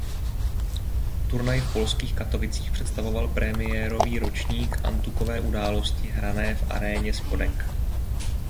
Turnaj v polských Katovicích představoval premiérový ročník antukové události hrané v aréně Spodek.